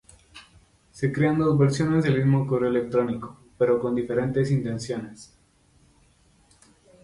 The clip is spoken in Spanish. Se crea dos versiones del mismo correo electrónico pero con diferentes intenciones.